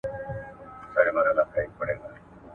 تاسي د کوم کتاب مطالعه کوئ؟